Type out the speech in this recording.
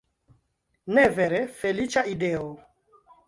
Ne vere, feliĉa ideo?